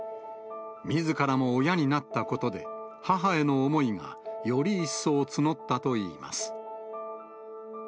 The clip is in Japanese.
みずからも親になったことで、母への思いがより一層募ったといいます。